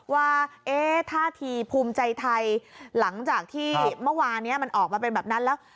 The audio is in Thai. ว่าท่าทีภูมิใจไทยหลังจากที่เมื่อวานนี้มันออกมาเป็นแบบนั้นแล้ว